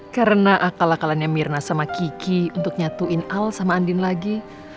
karena akal akalannya mirna sama kiki untuk nyatuin al sama andin lagi